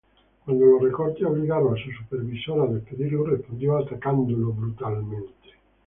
Cuando los recortes obligaron a su supervisor a despedirlo, respondió atacándolo brutalmente.